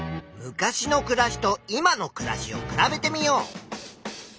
昔のくらしと今のくらしを比べてみよう。